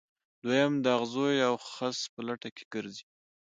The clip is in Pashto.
دویم د اغزیو او خس په لټه کې ګرځي.